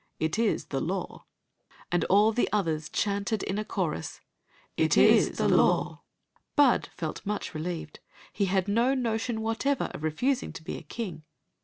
It is the law." And all die others chanted in a chorus :" It is the law." Bud felt much relieved. He had no notion what ever oi refusing to be a king.